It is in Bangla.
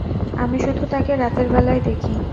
আমি শুধু তাকে রাতেরবেলায় দেখি।